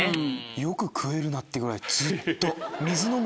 よく食えるなってぐらいずっと。